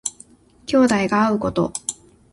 兄弟が会うこと。